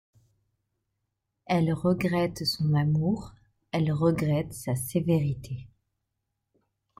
Elle regrette son amour, elle regrette sa sévérité.